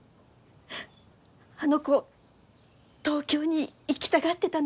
あの子東京に行きたがってたのよ。